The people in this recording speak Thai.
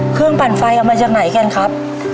เครื่องปั่นไฟเอามาจากไหนกันครับ